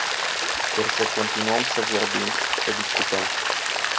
Sper să continuăm să vorbim, să discutăm.